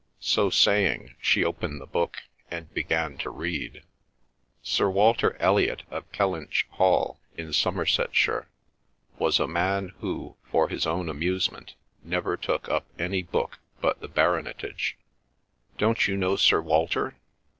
So saying she opened the book and began to read: "'Sir Walter Elliott, of Kellynch Hall, in Somersetshire, was a man who, for his own amusement, never took up any book but the Baronetage'—don't you know Sir Walter?